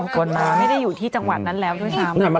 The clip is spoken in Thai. คนมาไม่ได้อยู่ที่จังหวัดนั้นแล้วด้วยซ้ำ